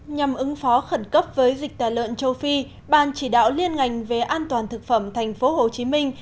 nhằm ứng phó khẩn cấp với dịch tà lợn châu phi ban chỉ đạo liên ngành về an toàn thực phẩm thành phố hồ chí minh